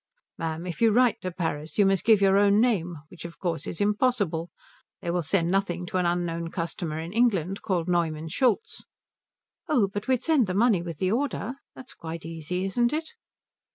"Ma'am, if you write to Paris you must give your own name, which of course is impossible. They will send nothing to an unknown customer in England called Neumann Schultz." "Oh but we'd send the money with the order. That's quite easy, isn't it?"